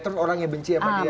karena banyak yang benci sama dia